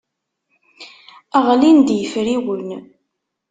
Ɣlin-d yefriwen.